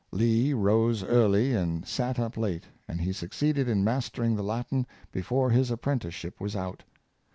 " Lee rose early and sat up late, and he succeeded in mastering the Latin before his ap prenticeship was out.